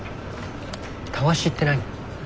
たわしって何？